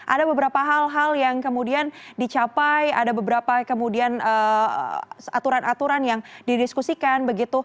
ada beberapa hal hal yang kemudian dicapai ada beberapa kemudian aturan aturan yang didiskusikan begitu